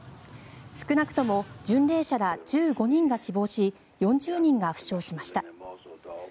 少なくとも巡礼者ら１５人が死亡し４０人が負傷しました。